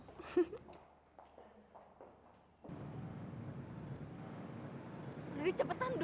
aku sudah selesai